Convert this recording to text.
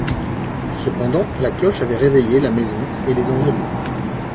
Cependant la cloche avait réveillé la maison et les environs.